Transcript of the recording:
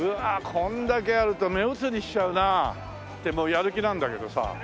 これだけあると目移りしちゃうな。ってもうやる気なんだけどさ。